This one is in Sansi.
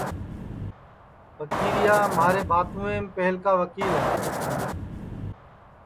پھکیریا مھارے بھاتوئیم پہلکا وکیل ہے